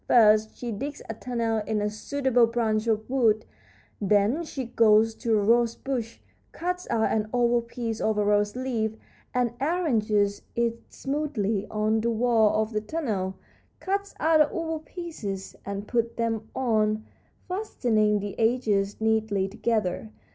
First she digs a tunnel in a suitable branch of wood; then she goes to a rosebush, cuts out an oval piece of a rose leaf, and arranges it smoothly on the walls of the tunnel; cuts other oval pieces and puts them on, fastening the edges neatly together.